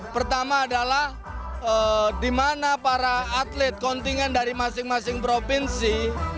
pertama adalah di mana para atlet kontingen dari masing masing provinsi